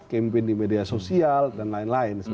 campaign di media sosial dan lain lain